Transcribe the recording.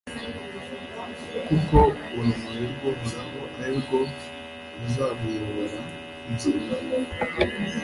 kuko urumuri rw'uhoraho ari rwo ruzamuyobora inzira